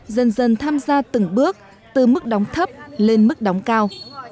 dần dần tham gia từng bước từ mức đóng thấp lên mức đóng cao